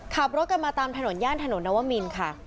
ขับรถกันมาตามถนนย่านถนนนวมินค่ะ